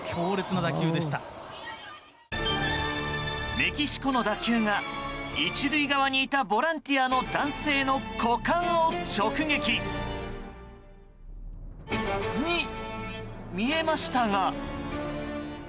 メキシコの打球が１塁側にいたボランティアの男性の股間を直撃に見えましたが。